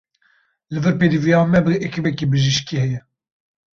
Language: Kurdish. Li vir pêdiviya me bi ekîbeke bijîşkî heye.